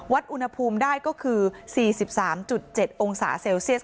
อุณหภูมิได้ก็คือ๔๓๗องศาเซลเซียส